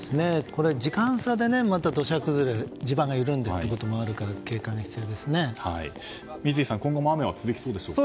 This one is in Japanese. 時間差で土砂崩れ地盤が緩んでってこともあるから三井さん、今後も雨は続きそうですか？